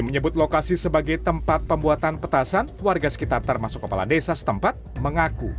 menyebut lokasi sebagai tempat pembuatan petasan warga sekitar termasuk kepala desa setempat mengaku